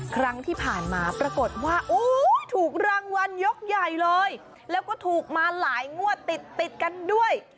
ครั้งที่ผ่านมาปรากฏว่าถูกรางวัลยกใหญ่เลยแล้วก็ถูกมาหลายงวดติดติดกันด้วย